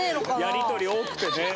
やり取り多くてね。